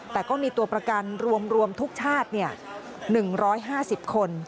แต่ก็มีตัวประกันรวมทุกชาติ๑๕๐คน